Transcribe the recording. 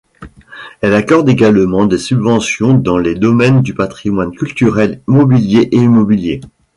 Elle accorde également des subventions dans les domaines du patrimoine culturel mobilier et immobilier.